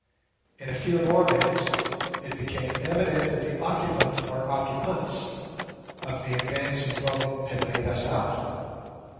In a few more minutes it became evident that the occupant or occupants of the advancing boat had made us out.